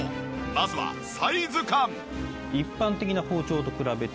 まずはサイズ感。